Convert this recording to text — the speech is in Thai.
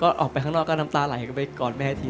ออกไปข้างนอกก็น้ำตาไหลไปกอนแม่น้มที